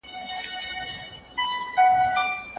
که په ټولنه کي زغم وي نو سوله به راسي.